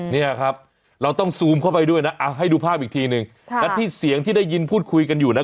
เนี่ยครับเราต้องซูมเข้าไปด้วยนะให้ดูภาพอีกทีนึงและที่เสียงที่ได้ยินพูดคุยกันอยู่นะ